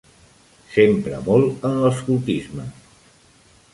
S'empra molt en l'escoltisme.